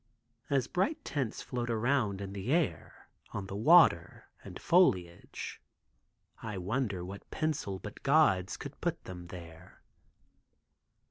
As bright tints float around in the air, on the water, and foliage, I wonder what pencil but God's could put them there.